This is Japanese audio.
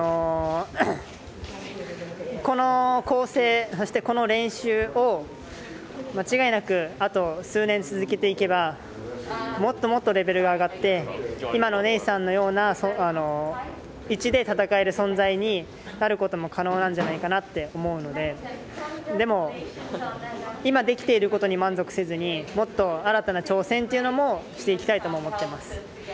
この構成そして、この練習を間違いなくあと数年、続けていけばもっともっとレベルが上がって今のネイサンのような位置で戦える存在になることも可能なんじゃないかなって思うのででも、今できていることに満足せずにもっと新たな挑戦っていうのもしていきたいなと思ってます。